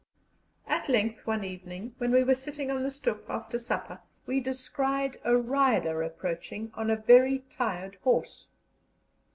At length one evening, when we were sitting on the stoep after supper, we descried a rider approaching on a very tired horse.